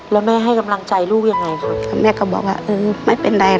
แล้วแม่ให้กำลังใจลูกค่ะ